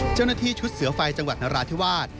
เจ้าหน้าที่ชุดเสือไฟจังหวัดนราธิวาส